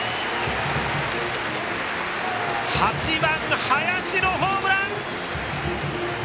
８番、林のホームラン！